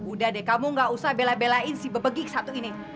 bu dek kamu gak usah bela belain si bebegik satu ini